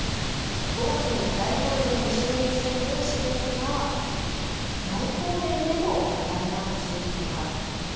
５月に大統領に就任するユン氏ですが、外交面でも課題が待ち受けています。